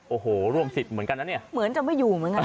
โอ้โหร่วมสิทธิ์เหมือนกันน่ะเนี่ย